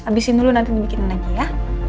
abisin dulu nanti dibikinin lagi ya